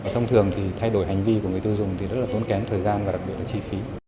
thông thường thì thay đổi hành vi của người tiêu dùng thì rất là tốn kém thời gian và đặc biệt là chi phí